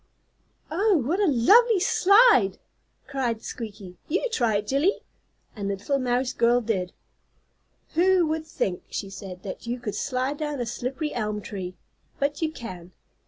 "Oh, what a lovely slide!" cried Squeaky. "You try it, Jillie." And the little mouse girl did. "Who would think," she said, "that you could slide down a slippery elm tree? But you can."